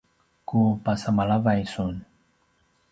ku pasemalavay sun